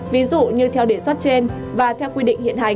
ví dụ như theo đề xuất trên và theo quy định hiện hành